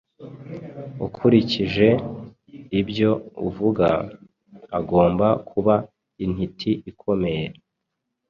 Ukurikije ibyo uvuga, agomba kuba intiti ikomeye.